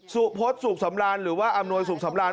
สุพศสุขสำราญหรือว่าอำนวยสุขสำราญ